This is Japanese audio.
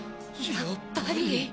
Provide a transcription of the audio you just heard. やっぱり。